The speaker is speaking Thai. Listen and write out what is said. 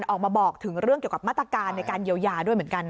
ออกมาบอกถึงเรื่องเกี่ยวกับมาตรการในการเยียวยาด้วยเหมือนกัน